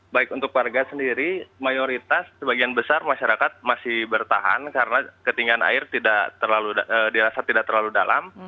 baik untuk warga sendiri mayoritas sebagian besar masyarakat masih bertahan karena ketinggian air dirasa tidak terlalu dalam